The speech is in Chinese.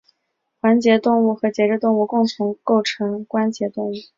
环节动物和节肢动物共同构成关节动物。